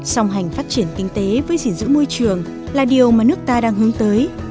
sòng hành phát triển kinh tế với diễn dữ môi trường là điều mà nước ta đang hướng tới